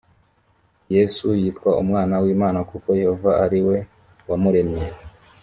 yesu yitwa umwana w imana kuko yehova ari we wamuremye